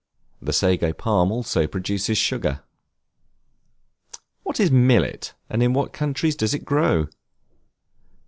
The Sago Palm also produces sugar. What is Millet, and in what countries does it grow?